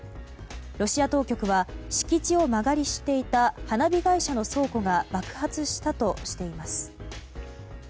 ロシア当局は敷地を間借りしていた花火会社の倉庫が爆発したとしています。